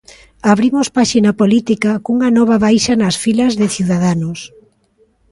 Abrimos páxina política, cunha nova baixa nas filas de Ciudadanos.